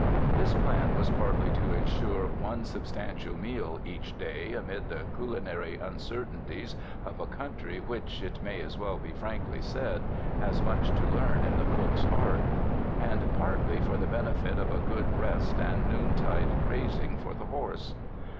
This plan was partly to insure one substantial meal each day amid the culinary uncertainties of a country which, it may as well be frankly said, has much to learn in the cook's art; and partly for the benefit of a good rest and noon tide grazing for the horse.